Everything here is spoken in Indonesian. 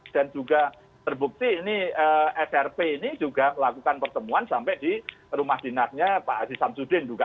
dan juga terbukti ini srp ini juga melakukan pertemuan sampai di rumah dinasnya pak aziz hamzudin juga